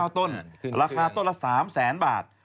ต้นราคาต้นละ๓แสนบาท